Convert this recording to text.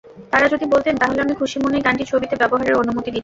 তাঁরা যদি বলতেন, তাহলে আমি খুশিমনেই গানটি ছবিতে ব্যবহারের অনুমতি দিতাম।